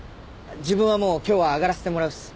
自分はもう今日は上がらせてもらうっす。